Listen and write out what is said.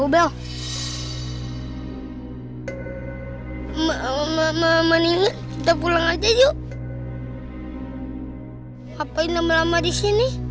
bukan cuma buat keamanan warga disini